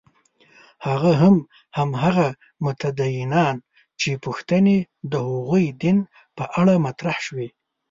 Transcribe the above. هغه هم هماغه متدینان چې پوښتنې د هغوی دین په اړه مطرح شوې.